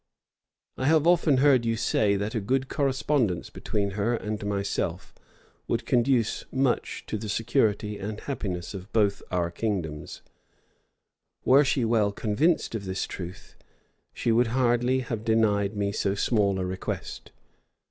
I have often heard you say, that a good correspondence between her and myself would conduce much to the security and happiness of both our kingdoms: were she well convinced of this truth, she would hardly have denied me so small a request.